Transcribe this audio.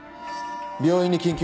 病院に緊急搬送。